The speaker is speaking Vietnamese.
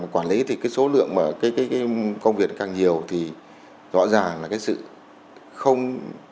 quản lý thì số lượng công việc càng nhiều thì rõ ràng là sự không